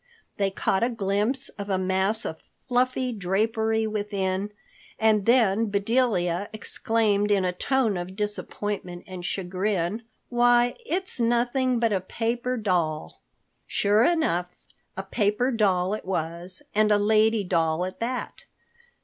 They caught a glimpse of a mass of fluffy drapery within and then Bedelia exclaimed in a tone of disappointment and chagrin, "Why, it's nothing but a paper doll!" Sure enough, a paper doll it was, and a lady doll at that.